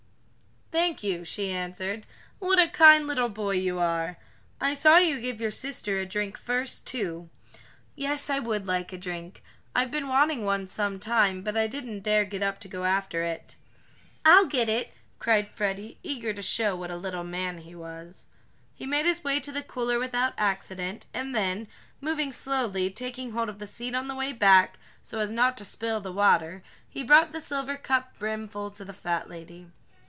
"Thank you," she answered. "What a kind little boy you are! I saw you give your sister a drink first, too. Yes, I would like a drink. I've been wanting one some time, but I didn't dare get up to go after it." "I'll get it!" cried Freddie, eager to show what a little man he was. He made his way to the cooler without accident, and then, moving slowly, taking hold of the seat on the way back, so as not to spill the water, he brought the silver cup brimful to the fat lady.